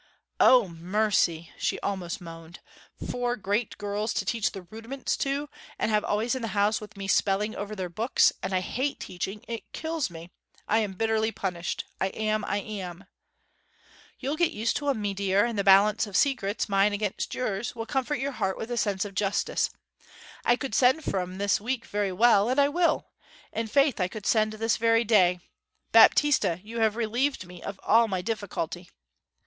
'O, mercy!' she almost moaned. 'Four great girls to teach the rudiments to, and have always in the house with me spelling over their books; and I hate teaching, it kills me. I am bitterly punished I am, I am!' 'You'll get used to 'em, mee deer, and the balance of secrets mine against yours will comfort your heart with a sense of justice. I could send for 'em this week very well and I will! In faith, I could send this very day. Baptista, you have relieved me of all my difficulty!'